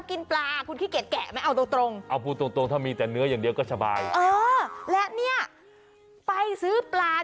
ใช่จริงพูดจริง